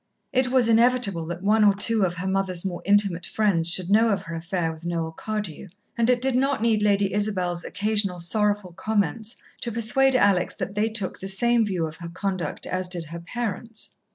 It was inevitable that one or two of her mother's more intimate friends should know of her affair with Noel Cardew, and it did not need Lady Isabel's occasional sorrowful comments to persuade Alex that they took the same view of her conduct as did her parents.